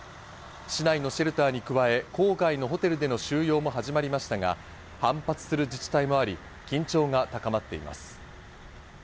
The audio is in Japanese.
市内のシェルターに加え、郊外のホテルでの収容も始まりましたが、反発する自治体もあり、緊張が高まっています。